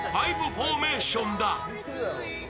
フォーメーションだ。